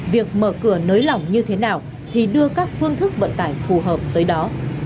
việc mở cửa nới lỏng như thế nào thì đưa các phương thức vận tải phù hợp tới đó